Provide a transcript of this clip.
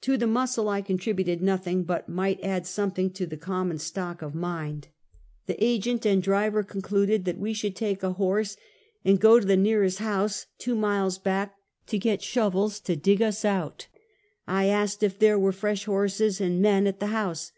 To the muscle I contributed nothing, but might add something to the common stock of mind. 222 Half a Century. The agent, and driver concluded that he should take a horse and go to the nearest house, two miles back, to get shovels to dig us out. I asked if there were fresh horses and men at the house.